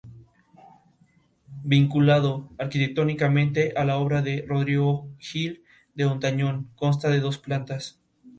Vinculado arquitectónicamente a la obra de Rodrigo Gil de Hontañón, consta de dos plantas.